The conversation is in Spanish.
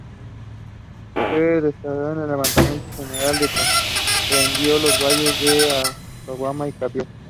Se desató un levantamiento general que comprendió los valles de Aconcagua y Cachapoal.